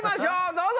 どうぞ！